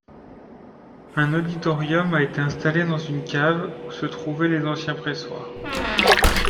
Un auditorium a été installé dans une cave où se trouvaient les anciens pressoirs.